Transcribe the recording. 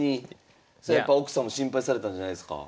奥さんも心配されたんじゃないですか？